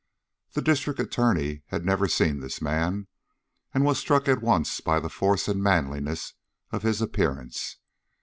The District Attorney had never seen this man, and was struck at once by the force and manliness of his appearance.